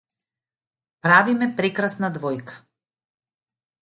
Правиме прекрасна двојка.